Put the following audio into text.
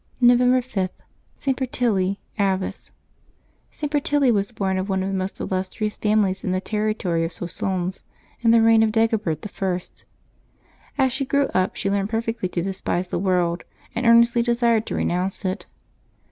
November 5.— ST. BERTILLE, Abbess. [T. Bertille was born of one of the most illustrious families in the territory of Soissons, in the reign of Dagobert I. As she grew up she learned perfectly to de spise the world, and earnestly desired to renounce it.